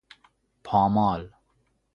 پامال